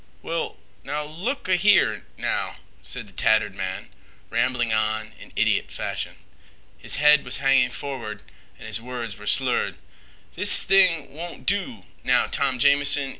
"Well, now look—a—here—now," said the tattered man, rambling on in idiot fashion. His head was hanging forward and his words were slurred. "This thing won't do, now, Tom Jamison.